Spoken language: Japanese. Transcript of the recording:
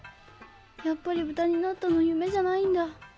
やっぱり豚になったの夢じゃないんだ。